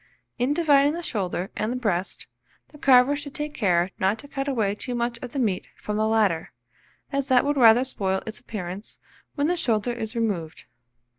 In dividing the shoulder and breast, the carver should take care not to cut away too much of the meat from the latter, as that would rather spoil its appearance when the shoulder is removed.